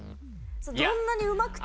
どんなにうまくても。